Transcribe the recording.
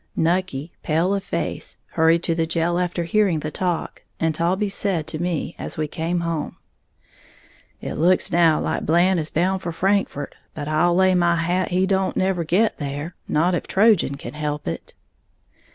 Nucky, pale of face, hurried to the jail after hearing the talk, and Taulbee said to me as we came home, "It looks now like Blant is bound for Frankfort; but I'll lay my hat he don't never get there, not if Trojan can help it."